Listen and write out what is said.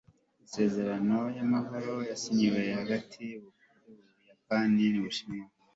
amasezerano y'amahoro yasinywe hagati y'ubuyapani n'ubushinwa